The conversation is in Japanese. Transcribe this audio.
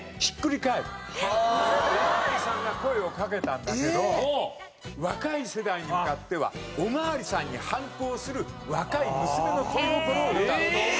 お巡りさんが声をかけたんだけど若い世代に向かってはお巡りさんに反抗する若い娘の恋心を歌うと。